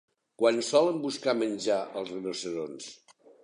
Quan solen buscar menjar els rinoceronts?